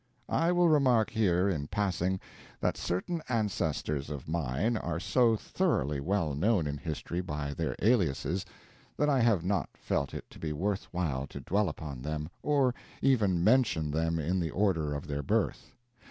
I will remark here, in passing, that certain ancestors of mine are so thoroughly well known in history by their aliases, that I have not felt it to be worth while to dwell upon them, or even mention them in the order of their birth.